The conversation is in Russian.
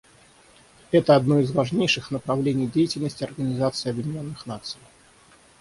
Это одно из важнейших направлений деятельности Организации Объединенных Наций.